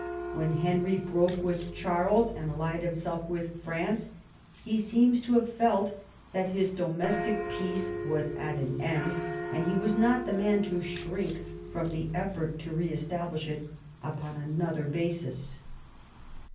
When Henry broke with Charles and allied himself with France he seems to have felt that his domestic peace was at an end, and he was not the man to shrink from the effort to re establish it upon another basis.